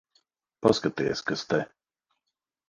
Paskaties, kas te...